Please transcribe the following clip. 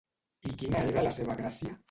I quina era la seva gràcia?